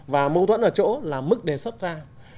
và mâu thuẫn ở chỗ là mức đề xuất ra